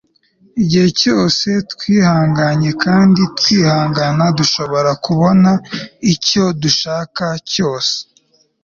igihe cyose twihanganye kandi twihangana, dushobora kubona icyo dushaka cyose